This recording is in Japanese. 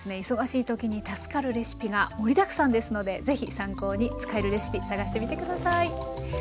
忙しい時に助かるレシピが盛りだくさんですので是非参考に使えるレシピ探してみて下さい。